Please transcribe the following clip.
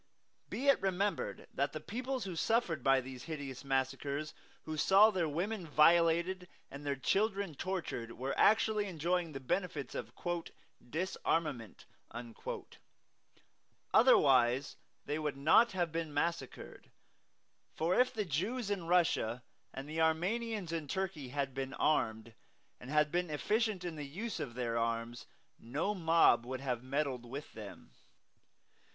Be it remembered that the peoples who suffered by these hideous massacres, who saw their women violated and their children tortured, were actually enjoying all the benefits of "disarmament." Otherwise they would not have been massacred; for if the Jews in Russia and the Armenians in Turkey had been armed, and had been efficient in the use of their arms, no mob would have meddled with them.